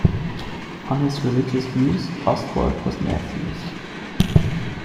On his religious views, Ostwald was an atheist.